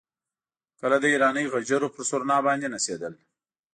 کله د ایراني غجرو پر سورنا باندې نڅېدل.